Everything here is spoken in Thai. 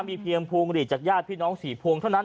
มีเพียงพวงหลีดจากญาติพี่น้อง๔พวงเท่านั้น